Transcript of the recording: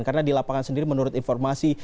karena di lapangan sendiri menurut informasi